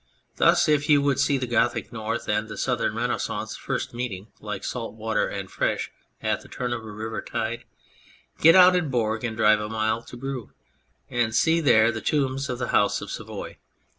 Thus, if you would see the Gothic North and the Southern Renaissance first meeting, like salt water and fresh at the turn of a river tide, get out at Bourg and drive a mile to Brou and see there the tombs of the House of Savoy.